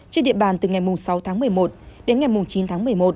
trên địa bàn từ ngày sáu tháng một mươi một đến ngày chín tháng một mươi một